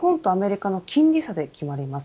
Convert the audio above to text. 為替の動きは日本とアメリカの金利差で決まります。